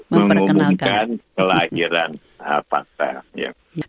mengumumkan kelahiran pak soehana